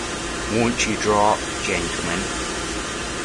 Won't you draw up, gentlemen.